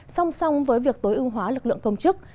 song song với việc tối ưu hóa lực lượng công chức